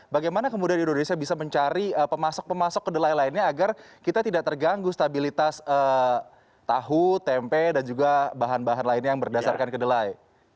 bagaimana kemudian indonesia bisa mencari pemasok pemasok kedelai lainnya agar kita tidak terganggu stabilitas tahu tempe dan juga bahan bahan lainnya yang berdasarkan kedelai